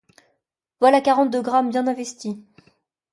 Voilà quarante-deux grammes bien investis.